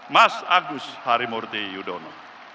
mas agus harimurti yudono